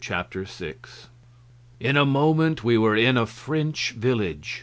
Chapter 6 In a moment we were in a French village.